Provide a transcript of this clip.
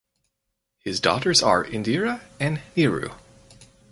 His daughters are Indira and Niru.